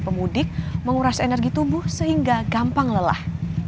pemudik menguras energi tubuh sehingga gampang lelah